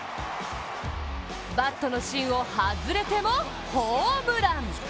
バットの芯を外れてもホームラン。